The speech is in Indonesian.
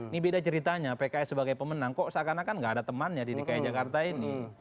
ini beda ceritanya pks sebagai pemenang kok seakan akan gak ada temannya di dki jakarta ini